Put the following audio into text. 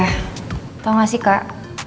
eh tau gak sih kak